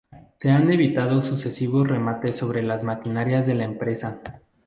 Se han evitado sucesivos remates sobre las maquinarias de la empresa.